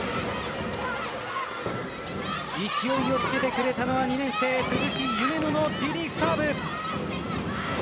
勢いをつけてくれたのは２年生・鈴木夢乃のリリーフサーブ。